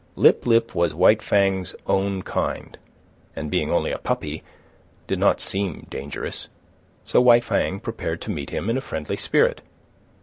Lip lip was White Fang's own kind, and, being only a puppy, did not seem dangerous; so White Fang prepared to meet him in a friendly spirit.